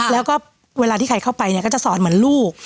แล้วก็เวลาที่ใครเข้าไปเนี่ยก็จะสอนเหมือนลูก